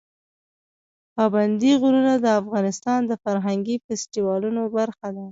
پابندی غرونه د افغانستان د فرهنګي فستیوالونو برخه ده.